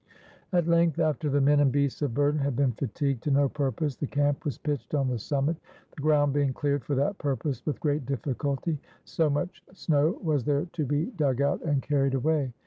At length, after the men and beasts of burden had been fatigued to no purpose, the camp was pitched on the summit, the ground being cleared for that purpose with great difficulty, so much snow was there to be dug 347 ROME out and carried away.